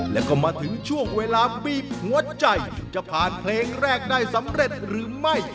แล้วก็มาถึงช่วงเวลาบีบหัวใจจะผ่านเพลงแรกได้สำเร็จหรือไม่